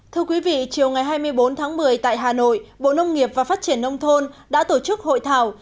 thưa quý vị chiều ngày hai mươi bốn tháng một mươi tại hà nội bộ nông nghiệp và phát triển nông thôn đã tổ chức hội thảo